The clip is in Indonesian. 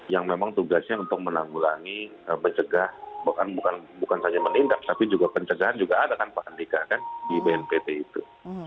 yang memang tugasnya untuk menanggulangi mencegah bukan saja menindak tapi juga pencegahan juga ada kan pak andika kan di bnpt itu